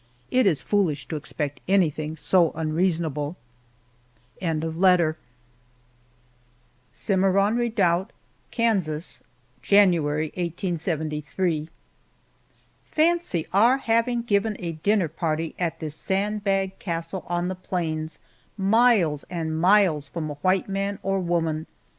It is foolish to expect anything so unreasonable. CIMARRON REDOUBT, KANSAS, January, 1873. FANCY our having given a dinner party at this sand bag castle on the plains, miles and miles from a white man or woman!